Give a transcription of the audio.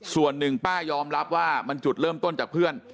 ส่วนหนึ่งป้ายอมรับว่ามันจุดเริ่มต้นจากเพื่อน